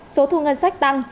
số thu ngân sách tăng